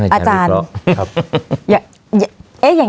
อ๋ออาจารย์